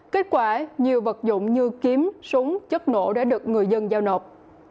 kết quả nhiều vật dụng như kiếm súng chất nổ đã được người dân giao nộp